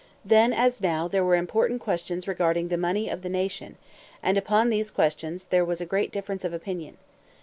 Then, as now, there were important questions regarding the money of the nation; and upon these questions there was great difference of opinion.